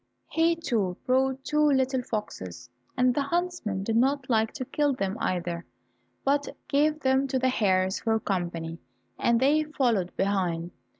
He, too, brought two little foxes, and the huntsmen did not like to kill them either, but gave them to the hares for company, and they followed behind.